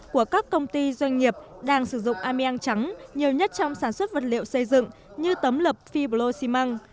của các công ty doanh nghiệp đang sử dụng ameang trắng nhiều nhất trong sản xuất vật liệu xây dựng như tấm lợp fibro ximang